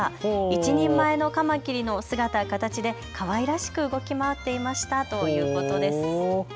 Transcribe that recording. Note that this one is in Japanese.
一人前のカマキリの姿、形でかわいらしく動き回っていましたということです。